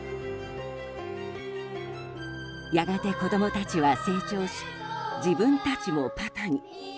やがて、子供たちは成長し自分たちもパパに。